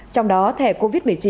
trong đó thẻ covid một mươi chín